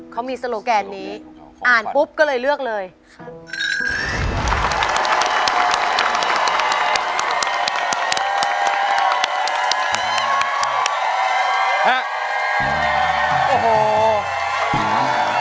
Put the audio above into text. เขามีโซโลแกนนี้อ่านปุ๊บก็เลยเลือกเลยค่ะ